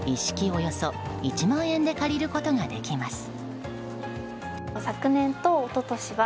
およそ１万円で借りることができます。